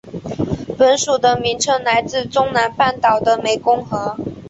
本属的名称来自中南半岛的湄公河。